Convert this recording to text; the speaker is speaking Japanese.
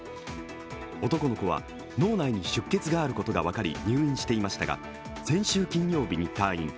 男の子は脳内に出血があることが分かり入院していましたが先週金曜日に退院。